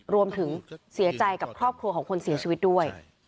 รวมถึงเสียใจกับครอบครัวของคนเสียชีวิตด้วย